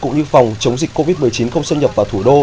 cũng như phòng chống dịch covid một mươi chín không xâm nhập vào thủ đô